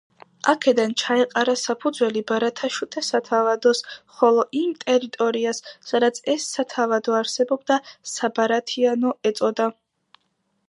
აქედან ჩაეყარა საფუძველი ბარათაშვილთა სათავადოს, ხოლო იმ ტერიტორიას, სადაც ეს სათავადო არსებობდა, საბარათიანო ეწოდა.